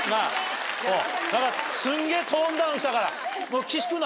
すんげぇトーンダウンしたから。